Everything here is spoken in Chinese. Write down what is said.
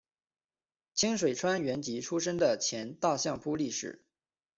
清水川元吉出身的前大相扑力士。